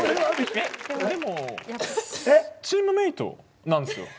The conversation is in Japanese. えっでもチームメートなんすよ。